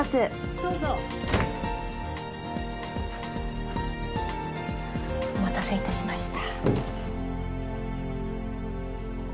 どうぞお待たせいたしました